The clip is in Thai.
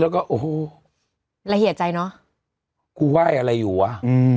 แล้วก็โอ้โหละเอียดใจเนอะกูไหว้อะไรอยู่ว่ะอืม